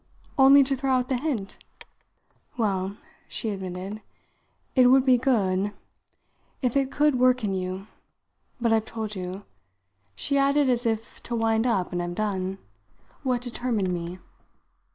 "Only to throw out the hint?" "Well," she admitted, "it would be good if it could work in you. But I've told you," she added as if to wind up and have done, "what determined me."